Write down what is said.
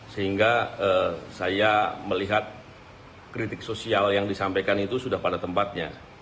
sehingga saya melihat kritik sosial yang disampaikan itu sudah pada tempatnya